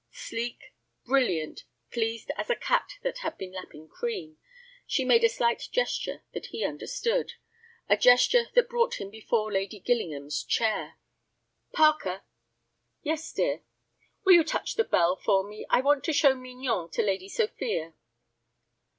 Sleek, brilliant, pleased as a cat that has been lapping cream, she made a slight gesture that he understood, a gesture that brought him before Lady Gillingham's chair. "Parker." "Yes, dear." "Will you touch the bell for me?—I want to show Mignon to Lady Sophia."